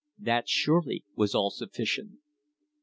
That surely was all sufficient!